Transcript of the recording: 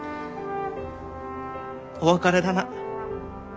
お別れだな。